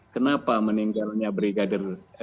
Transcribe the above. kenapa meninggalnya brigadir jakarta